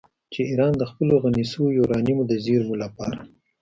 چې ایران د خپلو غني شویو یورانیمو د زیرمو لپاره